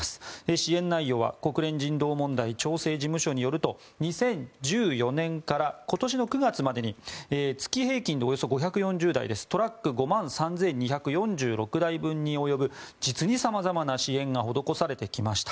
支援内容は国連人道問題調整事務所によると２０１４年から今年９月までに月平均でおよそ５４０台トラック５万３２４６台分に及ぶ実にさまざまな支援が施されてきました。